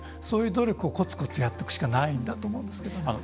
そういう努力をこつこつやっていくしかないんだと思うんですけれども。